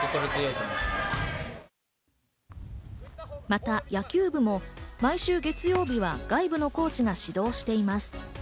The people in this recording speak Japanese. また、野球部も毎週月曜日は外部のコーチが指導しています。